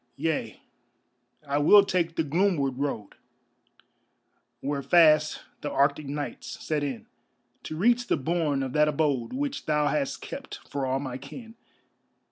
Yea, I will take the gloomward road Where fast the Arctic nights set in, To reach the bourne of that abode Which thou hast kept for all my kin.